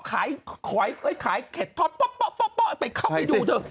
ข่ายเผ็ดท็อปไปเข้าไปดู